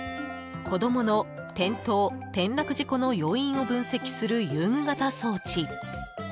子供の転倒・転落事故の要因を分析する遊具型装置。